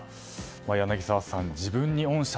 柳澤さん、自分に恩赦。